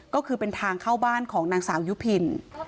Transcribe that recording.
ก็คือเป็นทางเข้าบ้านของนางสาวยุพิน